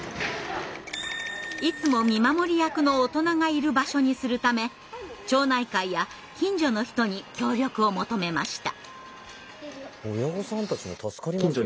いつも見守り役の大人がいる場所にするため町内会や近所の人に協力を求めました。